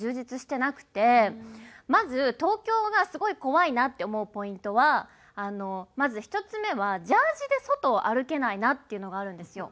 まず東京がすごい怖いなって思うポイントはまず１つ目はジャージーで外を歩けないなっていうのがあるんですよ。